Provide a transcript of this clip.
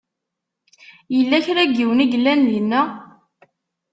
Yella kra n yiwen i yellan dinna?